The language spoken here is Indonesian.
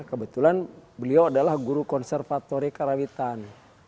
kebetulan beliau adalah guru konservatori karawitan